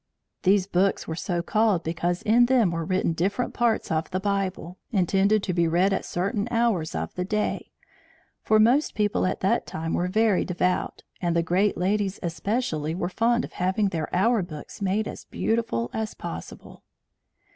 These books were so called because in them were written different parts of the Bible, intended to be read at certain hours of the day; for most people at that time were very devout, and the great ladies especially were very fond of having their hour books made as beautiful as possible.